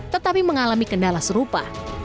tetapi mengalami kendala serupa